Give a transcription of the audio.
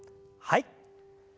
はい。